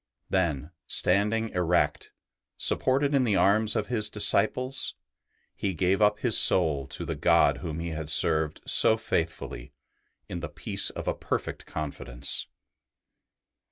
Then, standing erect, supported in the arms of his disciples, he gave up his soul to the God whom III 112 ST. BENEDICT he had served so faithfully, in the peace of a perfect confidence.